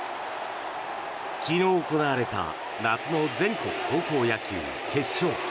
昨日、行われた夏の全国高校野球決勝。